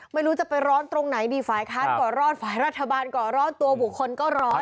ไม่รู้จะไปร้อนตรงไหนดีฝ่ายค้านก่อรอดฝ่ายรัฐบาลก่อร้อนตัวบุคคลก็ร้อน